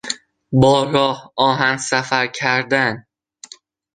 با راه آهن سفر کردن